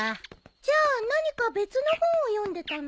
じゃあ何か別の本を読んでたの？